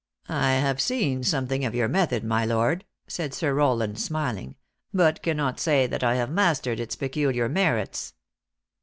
" I have seen something of your method, my lord," said Sir Rowland, smiling ;" but cannot say that I have mastered its peculiar merits."